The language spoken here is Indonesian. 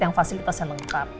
yang fasilitasnya lengkap